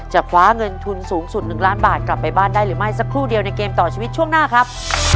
คว้าเงินทุนสูงสุด๑ล้านบาทกลับไปบ้านได้หรือไม่สักครู่เดียวในเกมต่อชีวิตช่วงหน้าครับ